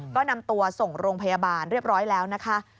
ก็นำตัวส่งโรงพยาบาลเรียบร้อยแล้วนะคะ